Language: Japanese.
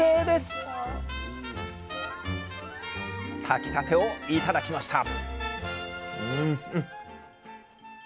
炊きたてを頂きました！